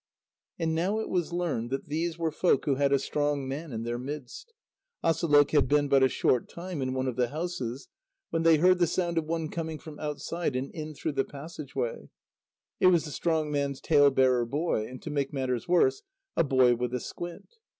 And now it was learned that these were folk who had a strong man in their midst. Asalôq had been but a short time in one of the houses, when they heard the sound of one coming from outside and in through the passage way; it was the strong man's talebearer boy, and to make matters worse, a boy with a squint.